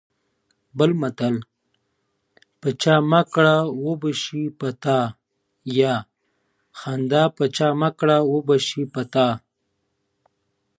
شعري تاریخ د ټولني کړنې بیانوي.